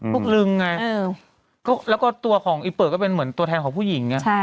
พวกลึงไงแล้วก็ตัวของอีเป๋อก็เหมือนทางของผู้หญิงเนี่ย